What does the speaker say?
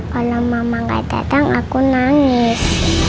kalau mama gak kadang aku nangis